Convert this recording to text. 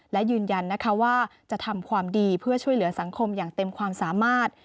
และยืนยันนะคะว่าจะทำความดีเพื่อช่วยเหลือสังคมอย่างเต็มความสามารถ